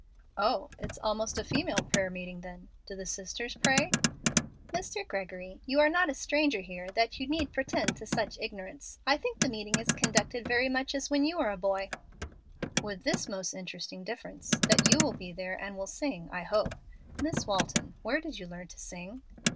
"Oh, it's almost a female prayer meeting then. Do the sisters pray?" "Mr. Gregory, you are not a stranger here that you need pretend to such ignorance. I think the meeting is conducted very much as when you were a boy." "With this most interesting difference, that you will be there and will sing, I hope. Miss Walton, where did you learn to sing?"